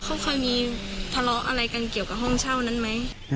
เขาเคยมีทะเลาะอะไรกันเกี่ยวกับห้องเช่านั้นไหม